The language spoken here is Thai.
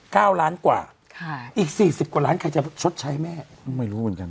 เก้าล้านกว่าค่ะอีกสี่สิบกว่าล้านใครจะชดใช้แม่ก็ไม่รู้เหมือนกัน